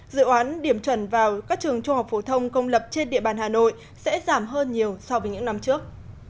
dự án điểm chuẩn vào các trường trung học phổ thông công lập trên địa bàn hà nội sẽ giảm hơn nhiều so với những năm trước